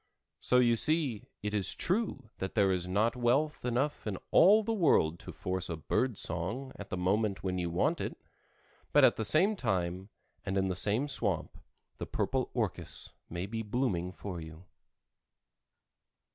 So you see it is true that there is not wealth enough in all the world to force a bird song at the moment when you want it, but at the same time and in the same swamp the purple orchis may be blooming for you.